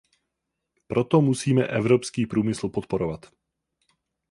Proto musíme evropský průmysl podporovat.